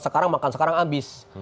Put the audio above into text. sekarang makan sekarang habis